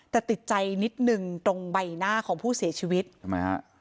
แต่ติดใจนิดนึงตรงใบหน้าของผู้เสียชีวิตทำไมฮะ